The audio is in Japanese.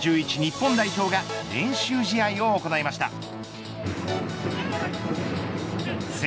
日本代表が練習試合を行いました。